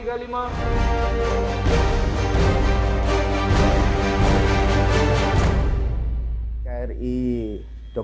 kemudian kri partai kesehatan